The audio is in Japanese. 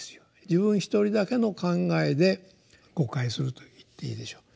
自分一人だけの考えで誤解すると言っていいでしょう。